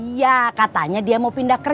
iya katanya dia mau pindah kerja